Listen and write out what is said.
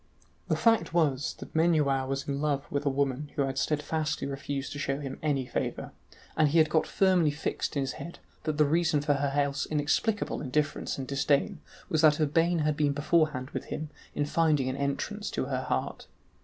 The fact was, that Menuau was in love with a woman who had steadfastly refused to show him any favour, and he had got firmly fixed in his head that the reason for her else inexplicable indifference and disdain was that Urbain had been beforehand with him in finding an entrance to her heart.